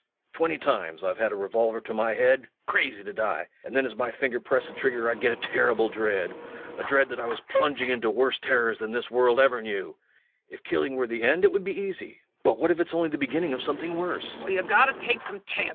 Twenty times I've had a revolver to my head crazy to die and then as my finger pressed the trigger I'd get a terrible dread a dread that I was plunging into worse terrors than this world ever knew. If killing were the end it would be easy, but what if it's only the beginning of something worse?